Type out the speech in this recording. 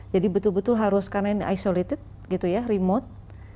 jadi betul betul harus karena ini isolated remote